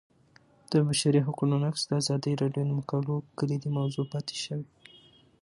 د بشري حقونو نقض د ازادي راډیو د مقالو کلیدي موضوع پاتې شوی.